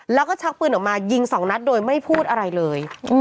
แล้วก็ชักปืนออกมายิงสองนัดโดยไม่พูดอะไรเลย